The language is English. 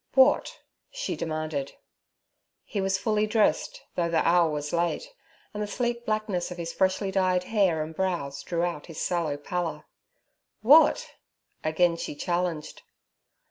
'What?' she demanded. He was fully dressed, though the hour was late, and the sleek blackness of his freshly dyed hair and brows threw out his sallow pallor. 'What?' again she challenged.